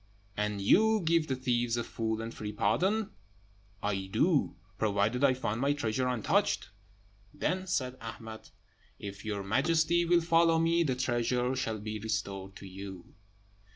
"And you give the thieves a full and free pardon?" "I do, provided I find my treasure untouched." "Then," said Ahmed, "if your majesty will follow me, the treasure shall be restored to you."